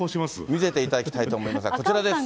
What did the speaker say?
見せていただきたいと思いますが、こちらです。